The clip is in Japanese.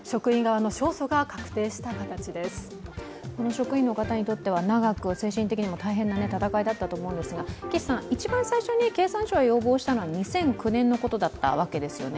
職員の方にとっては長く精神的にも大変な闘いだったと思うんですがいちばん最初に経産省へ要望したのは２００９年のことだったわけですよね。